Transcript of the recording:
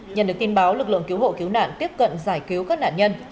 nhận được tin báo lực lượng cứu hộ cứu nạn tiếp cận giải cứu các nạn nhân